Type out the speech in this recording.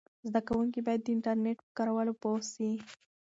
زده کوونکي باید د انټرنیټ په کارولو پوه سي.